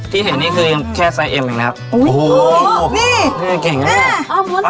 ที่เห็นนี่คือแค่ไซส์เอ็มเองนะครับโอ้โหนี่นี่เก่งน่ะอ้าวม้วนสวยอ่ะ